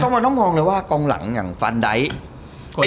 มันต้องมองเลยว่ากองหลังอย่างฟันได